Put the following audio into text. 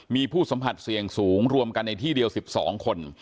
มีผู้สัมผัสเสี่ยงสูงรวมกันในที่เดียว๑๒คน